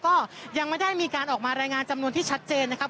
ก็ยังไม่ได้มีการออกมารายงานจำนวนที่ชัดเจนนะครับ